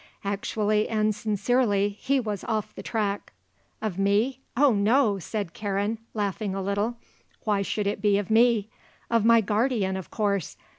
Actually, and sincerely, he was off the track. "Of me? Oh no," said Karen, laughing a little. "Why should it be of me? Of my guardian, of course.